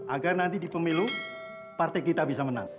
agar nanti di pemilu partai kita bisa menang